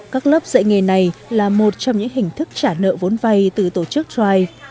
các lớp dạy nghề này là một trong những hình thức trả nợ vốn vay từ tổ chức choi